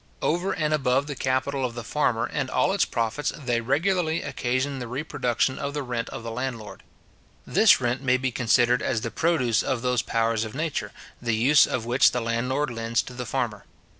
Over and above the capital of the farmer, and all its profits, they regularly occasion the reproduction of the rent of the landlord. This rent may be considered as the produce of those powers of Nature, the use of which the landlord lends to the farmer.